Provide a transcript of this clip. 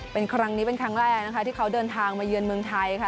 เป็นครั้งนี้เป็นครั้งแรกนะคะที่เขาเดินทางมาเยือนเมืองไทยค่ะ